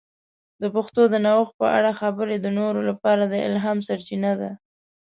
د پښتو د نوښت په اړه خبرې د نورو لپاره د الهام سرچینه ده.